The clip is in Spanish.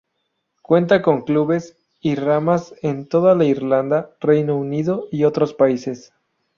Cuenta con clubes y ramas en toda Irlanda, Reino Unido y otros países.